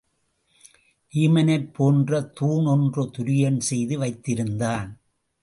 வீமனைப் போன்ற தூண் ஒன்று துரியன் செய்து வைத்திருந்தான்.